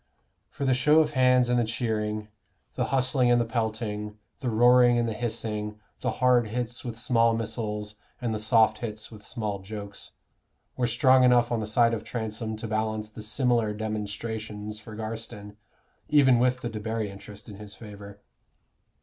For the show of hands and the cheering, the hustling and the pelting, the roaring and the hissing, the hard hits with small missiles and the soft hits with small jokes, were strong enough on the side of Transome to balance the similar "demonstrations" for Garstin, even with the Debarry interest in his favor.